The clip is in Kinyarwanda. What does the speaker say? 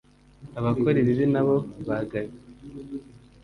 abakora ibibi nabo bagaywe